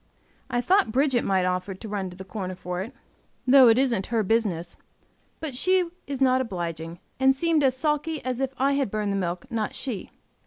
I thought Bridget might offer to run to the corner for it, though it isn't her business, but she is not obliging, and seemed as sulky as if I had burned the milk, not she.